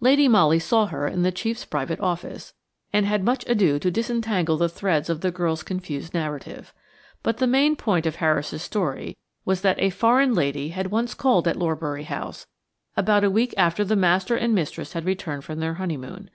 Lady Molly saw her in the chief's private office, and had much ado to disentangle the threads of the girl's confused narrative. But the main point of Harris's story was that a foreign lady had once called at Lorbury House, about a week after the master and mistress had returned from their honeymoon.